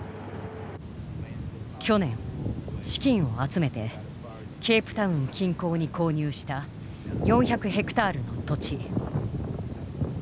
去年資金を集めてケープタウン近郊に購入した４００ヘクタールの土地。